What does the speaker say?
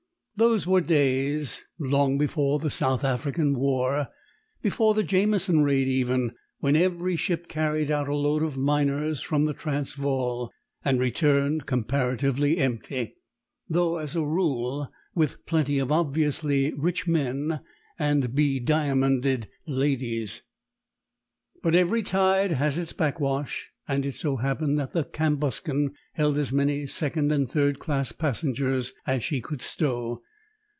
Those were days long before the South African War, before the Jameson Raid even when every ship carried out a load of miners for the Transvaal, and returned comparatively empty, though as a rule with plenty of obviously rich men and be diamonded ladies. But every tide has its backwash; and it so happened that the Cambuscan held as many second and third class passengers as she could stow.